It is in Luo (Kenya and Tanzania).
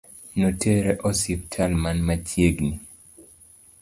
Notere osiptal man machiegni